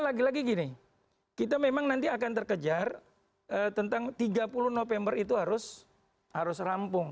lagi lagi gini kita memang nanti akan terkejar tentang tiga puluh november itu harus rampung